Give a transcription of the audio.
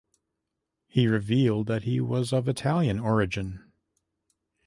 He revealed that he was of Italian origin.